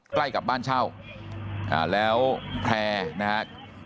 ใกล้กับบ้านเช่าแล้วแพร่นะครับ